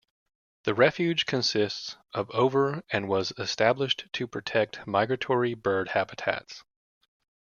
The refuge consists of over and was established to protect migratory bird habitats.